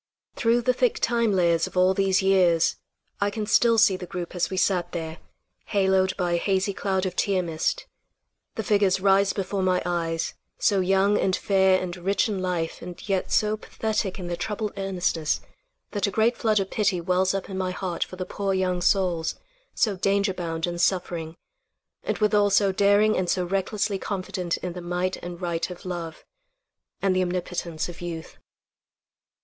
Through the thick time layers of all these years, I can still see the group as we sat there, haloed by a hazy cloud of tear mist. The figures rise before my eyes, so young and fair and rich in life and yet so pathetic in their troubled earnestness that a great flood of pity wells up in my heart for the poor young souls, so danger bound and suffering, and withal so daring and so recklessly confident in the might and right of love, and the omnipotence of youth.